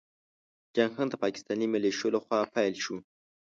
جنګ هم د پاکستاني مليشو له خوا پيل شو.